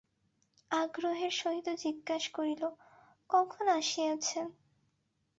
আগ্রহের সহিত জিজ্ঞাসা করিল, কখন আসিয়াছেন?